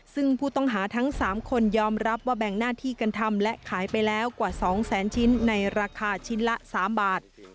ซึ่งผู้ต้องหาทั้ง๓คนยอมรับว่าแบ่งหน้าที่กันทำและขายไปแล้วกว่า๒แสนชิ้นในราคาชิ้นละ๓บาท